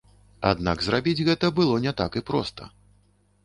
Аднак зрабіць гэта было не так і проста.